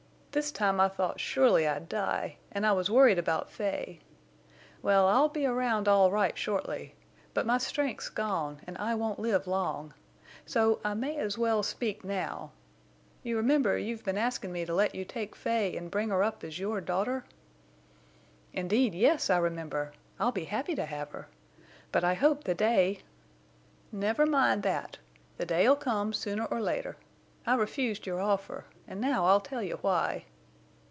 This time I thought surely I'd die, and I was worried about Fay. Well, I'll be around all right shortly, but my strength's gone and I won't live long. So I may as well speak now. You remember you've been asking me to let you take Fay and bring her up as your daughter?" "Indeed yes, I remember. I'll be happy to have her. But I hope the day—" "Never mind that. The day'll come—sooner or later. I refused your offer, and now I'll tell you why."